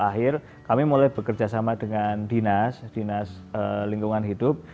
dua ribu dua puluh akhir kami mulai bekerjasama dengan dinas lingkungan hidup